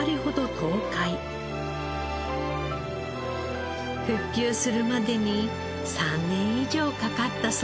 復旧するまでに３年以上かかったそうです。